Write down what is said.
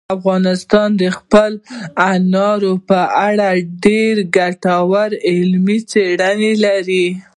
افغانستان د خپلو انارو په اړه ډېرې ګټورې علمي څېړنې لري.